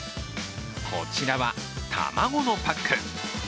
こちらは、卵のパック。